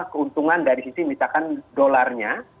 keuntungan dari sisi misalkan dolarnya